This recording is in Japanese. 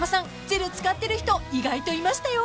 ジェル使ってる人意外といましたよ。